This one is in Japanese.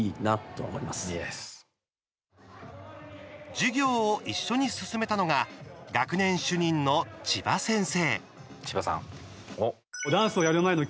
授業を一緒に進めたのが学年主任の千葉先生。